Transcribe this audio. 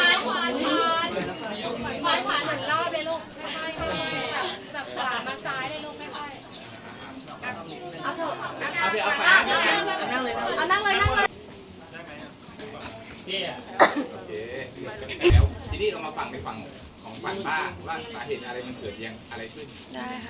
ที่นี้เรามาฟังในฝั่งของขวานบ้างว่าสาเหตุอะไรมันเกิดยังอะไรขึ้น